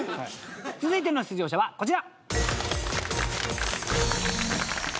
続いての出場者はこちら！